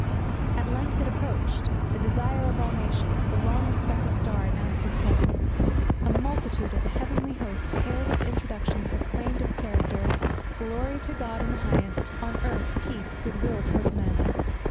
At length it approached the Desire of all Nations The long expected Star announced its presence A multitude of the heavenly host hailed its introduction, and proclaimed its character; "Glory to God in the highest, on earth peace, good will towards men."